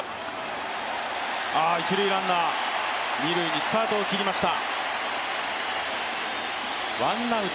一塁ランナー、二塁にスタートを切りました。